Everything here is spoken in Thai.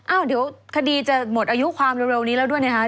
อ้าวเดี๋ยวคดีจะหมดอายุความเร็วนี้แล้วด้วยนะคะ